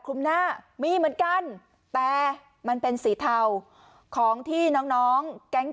หน้ามีเหมือนกันแต่มันเป็นสีเทาของที่น้องน้องแก๊ง